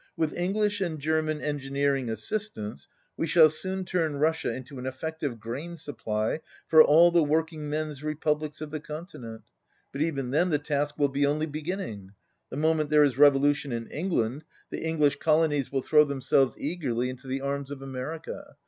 With Eng lish and German engineering assistance we shall soon turn Russia into an effective grain supply for all the working men's republics of the Continent. But even then the task will be only beginning. The moment there is revolution in England, the English colonies will throw themselves eagerly 82 into the arms of America.